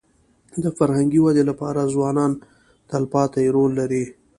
د فرهنګي ودې لپاره ځوانان تلپاتې رول لري.